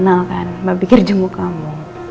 pernah saling kenal kan mbak pikir jemput kamu